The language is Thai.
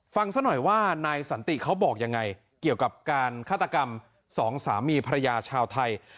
ซะหน่อยว่านายสันติเขาบอกยังไงเกี่ยวกับการฆาตกรรมสองสามีภรรยาชาวไทย